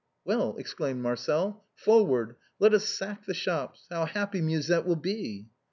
" Well," exclaimed Marcel, " forward ; let us sack the shops. How happy Musette will be."